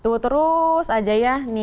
tuh terus aja ya